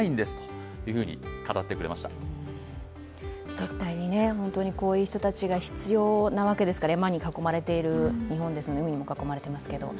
絶対にこういう人たちが必要なわけですので、山に囲まれている日本です、海にも囲まれてますけど。